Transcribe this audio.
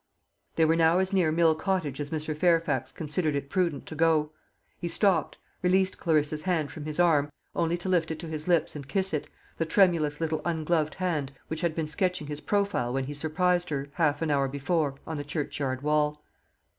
They were now as near Mill Cottage as Mr. Fairfax considered it prudent to go. He stopped, released Clarissa's hand from his arm, only to lift it to his lips and kiss it the tremulous little ungloved hand which had been sketching his profile when he surprised her, half an hour before, on the churchyard wall.